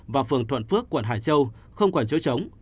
và phường thuận phước quận hải châu không quản chối trống